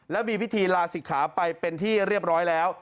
และมีพิธีลาศิกขาไปเป็นที่เรียบร้อยแล้ว